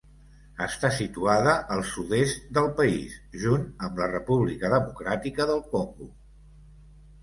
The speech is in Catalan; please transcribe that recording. Està situada al sud-est del país, junt amb la República Democràtica del Congo.